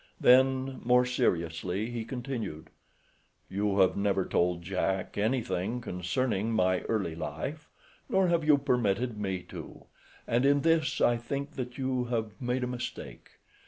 Then, more seriously, he continued: "You have never told Jack anything concerning my early life, nor have you permitted me to, and in this I think that you have made a mistake.